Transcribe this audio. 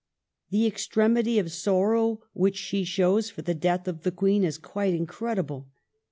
"■ The extremity of sorrow which she shows for the death of the Queen is quite incredible."